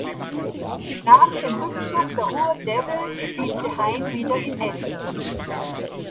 Nach dem Rückzug der Ruhr Devils spielte Hain wieder in Essen.